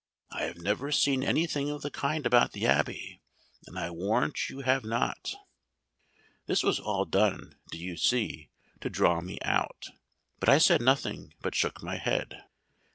I have never seen any thing of the kind about the Abbey, and I warrant you have not.' This was all done, do you see, to draw me out; but I said nothing, but shook my head.